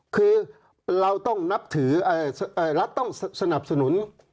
คือเราต้องนับถือรัฐต้องสนับสนุน